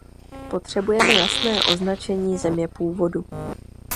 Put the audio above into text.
Potřebujeme jasné označení země původu.